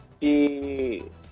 di sekitar perairan